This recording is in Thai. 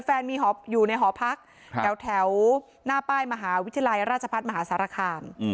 แฟนมีอยู่ในหอพักแถวหน้าป้ายมหาวิทยาลัยราชพัฒน์มหาสารคาม